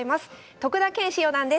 徳田拳士四段です。